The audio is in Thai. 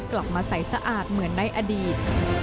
กลับมาใส่สะอาดเหมือนในอดีต